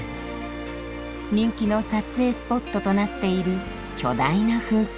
人気の撮影スポットとなっているきょだいな噴水。